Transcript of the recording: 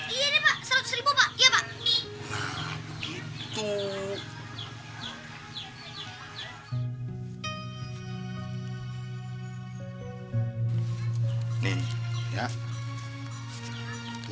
iya pak seratus ribu pak iya pak